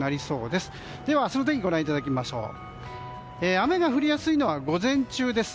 では、明日の天気ご覧いただきましょう。